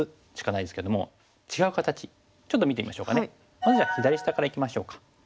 まずは左下からいきましょうか。